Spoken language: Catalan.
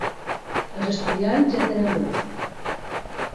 Els estudiants ja tenen veu.